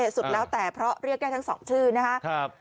สุดแล้วแต่เพราะเรียกได้ทั้ง๒ชื่อนะครับ